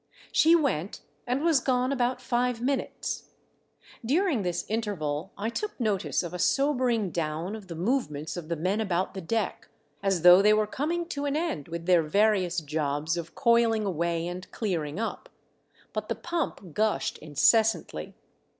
She went, and was gone about five minutes. During this interval I took notice of a sobering down of the movements of the men about the deck, as though they were coming to an end with their various jobs of coiling away and clearing up. But the pump gushed incessantly.